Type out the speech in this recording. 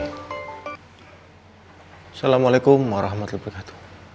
assalamualaikum warahmatullahi wabarakatuh